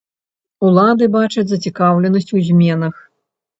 Улады бачаць зацікаўленасць у зменах.